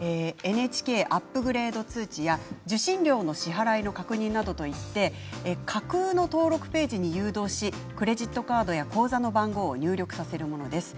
ＮＨＫアップグレード通知や受信料の支払いの確認などといって架空の登録ページに誘導しクレジットカードや口座番号を入力させるものです。